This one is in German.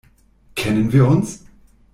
Kennen wir uns?